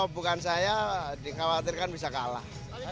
bukan saya dikhawatirkan bisa kalah